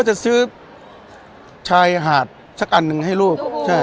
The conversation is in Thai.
ก็จะซื้อชายหาดสักอันนึงให้ลูกใช่